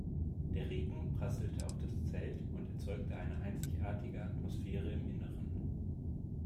Der Regen prasselte auf das Zelt und erzeugte eine einzigartige Atmosphäre im Innern.